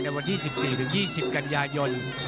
ในวัน๒๔๒๐กัญญาโยน